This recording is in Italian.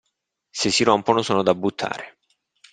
Se si rompono sono da buttare.